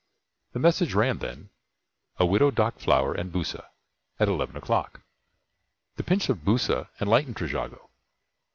The message ran then: "A widow dhak flower and bhusa at eleven o'clock." The pinch of bhusa enlightened Trejago.